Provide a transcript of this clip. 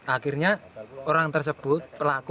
akhirnya orang tersebut pelaku